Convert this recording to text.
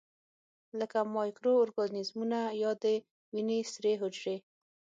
لکه مایکرو ارګانیزمونه یا د وینې سرې حجرې.